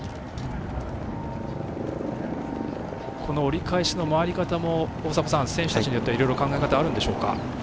この折り返しの回り方も選手たちによってはいろいろ考え方あるんでしょうか。